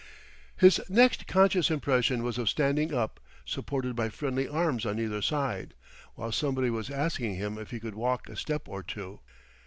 His next conscious impression was of standing up, supported by friendly arms on either side, while somebody was asking him if he could walk a step or two.